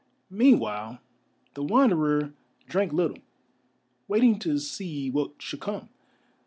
Meanwhile the Wanderer drank little, waiting to see what should come.